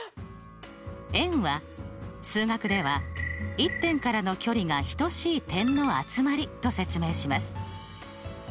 円は数学では１点からの距離が等しい点の集まりと説明します。